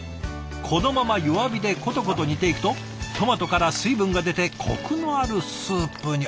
このまま弱火でコトコト煮ていくとトマトから水分が出てコクのあるスープに。